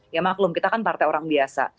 ya maklum kita kan partai orang biasa